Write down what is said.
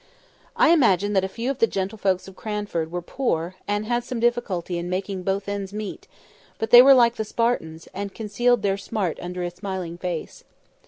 I imagine that a few of the gentlefolks of Cranford were poor, and had some difficulty in making both ends meet; but they were like the Spartans, and concealed their smart under a smiling face.